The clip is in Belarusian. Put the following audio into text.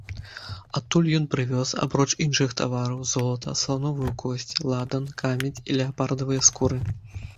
Адтуль ён прывёз, апроч іншых тавараў, золата, слановую косць, ладан, камедзь і леапардавыя скуры.